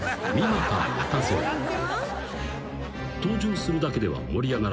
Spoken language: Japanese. ［登場するだけでは盛り上がらず］